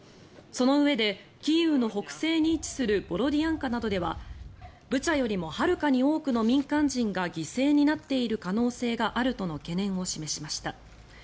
そのうえでキーウの北西に位置するボロディアンカなどではブチャよりもはるかに多くの民間人が犠牲になっている可能性があるとの懸念を示しました。